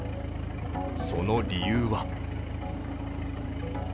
その理由は？